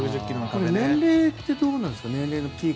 年齢ってどうなんですか？